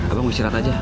abang usirat aja